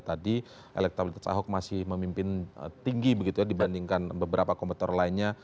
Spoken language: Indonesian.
tadi elektabilitas ahok masih memimpin tinggi begitu ya dibandingkan beberapa komputer lainnya